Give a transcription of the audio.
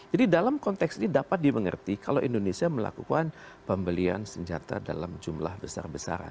dalam konteks ini dapat dimengerti kalau indonesia melakukan pembelian senjata dalam jumlah besar besaran